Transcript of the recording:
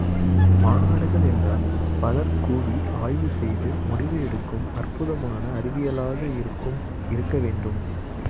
மாநாடுகள் என்றால் பலர் கூடி ஆய்வு செய்து முடிவு எடுக்கும் அற்புதமான அறிவியலாக இருக்கும் இருக்க வேண்டும்.